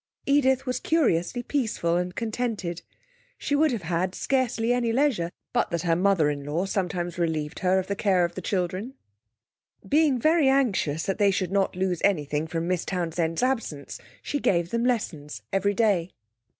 Edith was curiously peaceful and contented. She would have had scarcely any leisure but that her mother in law sometimes relieved her of the care of the children. Being very anxious that they should not lose anything from Miss Townsend's absence, she gave them lessons every day.